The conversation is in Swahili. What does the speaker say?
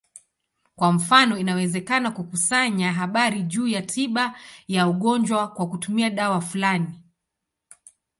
Kwa mfano, inawezekana kukusanya habari juu ya tiba ya ugonjwa kwa kutumia dawa fulani.